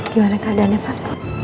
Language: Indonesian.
gimana keadaannya pak